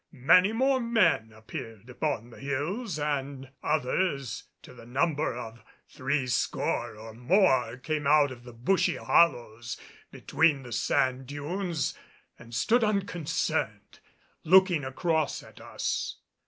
Many more men appeared upon the hills and others to the number of three score or more came out of the bushy hollows between the sand dunes and stood unconcerned looking across at us.